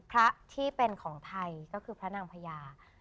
พระที่เป็นของไทยก็คือพระนางพญา